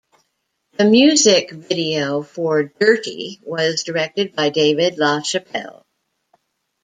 The music video for "Dirrty" was directed by David LaChapelle.